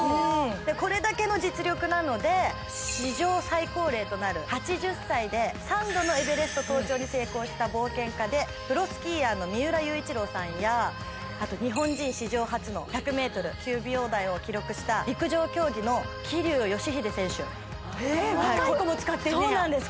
これだけの実力なので史上最高齢となる８０歳で３度のエベレスト登頂に成功した冒険家でプロスキーヤーの三浦雄一郎さんや日本人史上初の１００ｍ９秒台を記録した陸上競技の桐生祥秀選手若い子も使ってんねやそうなんです